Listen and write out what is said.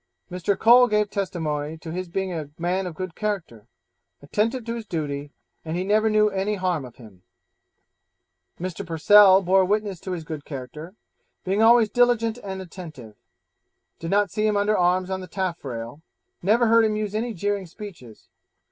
Mr. Cole gave testimony to his being a man of good character, attentive to his duty, and he never knew any harm of him. Mr. Purcell bore witness to his good character, being always diligent and attentive; did not see him under arms on the taffrail; never heard him use any jeering speeches.